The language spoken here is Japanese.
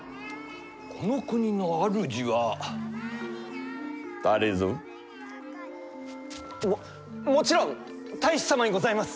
この国の主は誰ぞ？ももちろん太守様にございます！